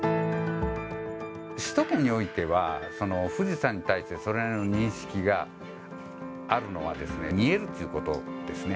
首都圏においては、富士山に対してそれなりの認識があるのは、見えるということですね。